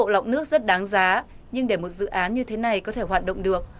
lọc nước rất đáng giá nhưng để một dự án như thế này có thể hoạt động được